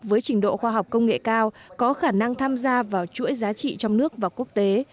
với trình độ khoa học công nghệ cao có khả năng tham gia vào chuỗi giá trị trong nước và quốc tế